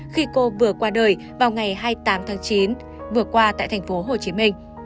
khi cô vừa qua đời vào ngày hai mươi tám tháng chín vừa qua tại tp hcm